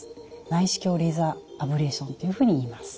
内視鏡レーザーアブレーションというふうにいいます。